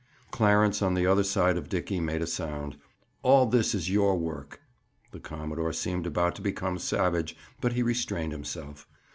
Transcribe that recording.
Clarence on the other side of Dickie made a sound. "All this is your work." The commodore seemed about to become savage, but he restrained himself.